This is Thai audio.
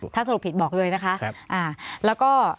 ถ้าสรุปผิดบอกด้วยนะค่ะ